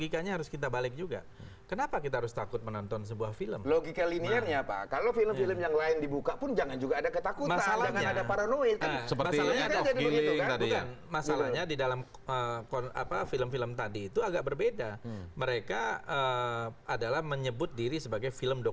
karena kan namanya juga film